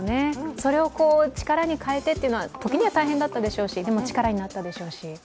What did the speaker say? それを力に変えてというのは時には大変だったでしょうしでも力になったでしょうし。